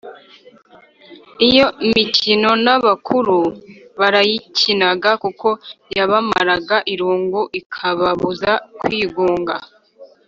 iyo mikino n’abakuru barayikinaga kuko yabamaraga irungu ikababuza kwigunga.